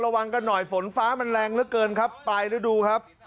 ระวังกันหน่อยฝนฟ้ามันแรงเหลือเกินครับไปแล้วดูครับ